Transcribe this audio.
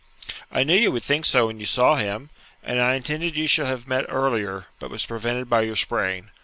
'I knew you would think so when you saw him, and I intended you should have met earlier, but was prevented by your sprain.